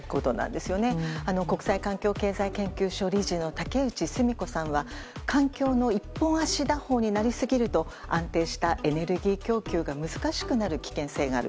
国際環境経済研究所理事の竹内純子さんは環境の１本足打法になりすぎると安定したエネルギー供給が難しくなる危険性がある。